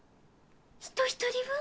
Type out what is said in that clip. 人一人分？